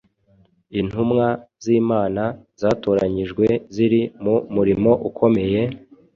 Intumwa z’Imana zatoranyijwe ziri mu murimo ukomeye,